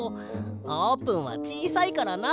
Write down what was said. あーぷんはちいさいからな。